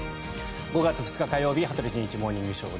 ５月２日、火曜日「羽鳥慎一モーニングショー」。